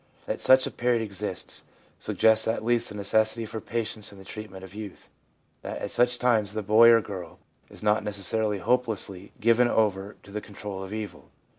That such a period exists, suggests at least the necessity for patience in the treatment of youth — that at such times the boy or girl is not necessarily hopelessly given over to the control of evil.